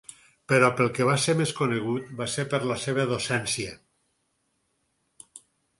Però pel que va ser més conegut va ser per la seva docència.